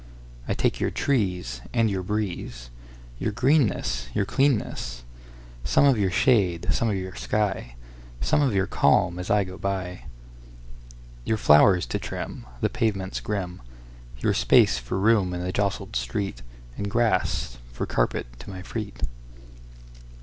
I take your trees, And your breeze, Your greenness, Your cleanness, Some of your shade, some of your sky, Some of your calm as I go by; Your flowers to trimThe pavements grim; Your space for room in the jostled streetAnd grass for carpet to my feet.